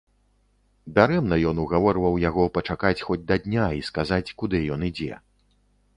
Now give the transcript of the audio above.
Дарэмна ён угаворваў яго пачакаць хоць да дня і сказаць, куды ён ідзе.